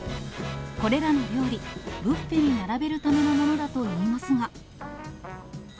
これらの料理、ブッフェに並べるためのものだといいますが。